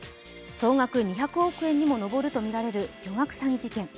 総額２００億円にも上るとみられる巨額詐欺事件。